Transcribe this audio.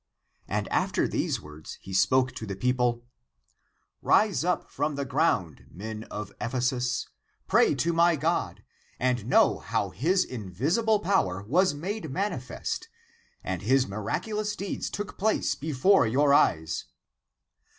" And after these words he spoke to the people :'' Rise up from the ground, men of Ephesus, pray to my God, and know how His invisible power was made manifest and his mi raculous deeds took place before your eyes!